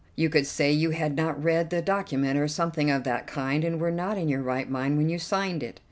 You could say you had not read the document, or something of that kind, and were not in your right mind when you signed it."